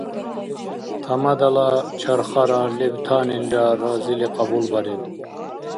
Тямадала чархара лебтанилра разили кьабулбариб.